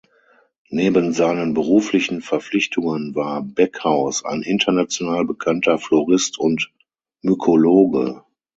Neben seinen beruflichen Verpflichtungen war Beckhaus ein international bekannter Florist und Mykologe.